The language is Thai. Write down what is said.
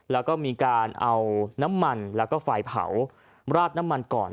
แล้วก็มีการเอาน้ำมันแล้วก็ไฟเผาราดน้ำมันก่อน